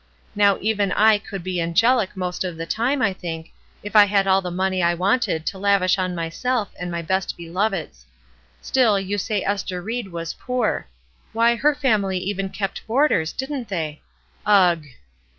Now even I could be angelic most of the time, I think, if I had all the money I wanted to lavish on myself and my best beloveds. Still, you say Ester Ried was poor. Why, her family even kept boarders, didn't they? Ugh!